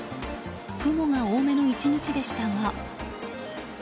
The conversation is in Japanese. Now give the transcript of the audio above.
雲が多めの１日でしたが。